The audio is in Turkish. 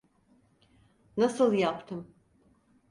Nasıl yaptım?